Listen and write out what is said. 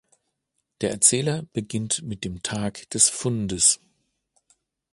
Der Erzähler beginnt mit dem Tag des Fundes.